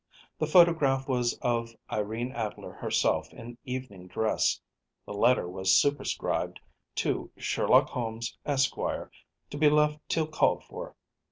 The photograph was of Irene Adler herself in evening dress, the letter was superscribed to “Sherlock Holmes, Esq. To be left till called for.